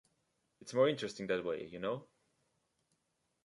It's more interesting that way, you know?